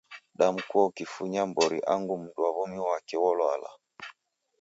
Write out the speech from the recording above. Damkua ukifunya mbori angu mundu wa womi wake wolwala.